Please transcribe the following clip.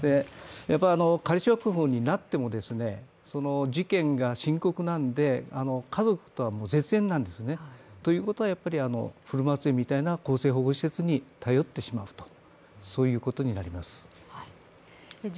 仮釈放になっても事件が深刻なので、家族とは絶縁なんですね。ということは、古松園みたいな更生保護施設に頼ってしまうと、そういうことになります。